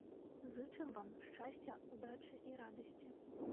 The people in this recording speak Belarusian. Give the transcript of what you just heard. Зычым вам шчасця, удачы і радасці!